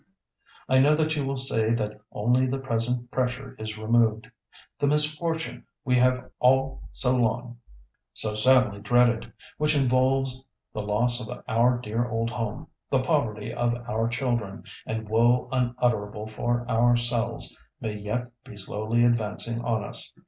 I know that you will say that only the present pressure is removed. The misfortune we have all so long, so sadly dreaded, which involves the loss of our dear old home, the poverty of our children, and woe unutterable for ourselves, may yet be slowly advancing on us.